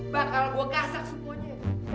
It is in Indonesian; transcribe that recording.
bakal gue kasar semuanya